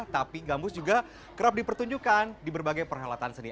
tapi gambus juga kerap dipertunjukkan di berbagai perhelatan seni